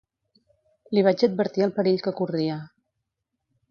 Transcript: Li vaig advertir el perill que corria.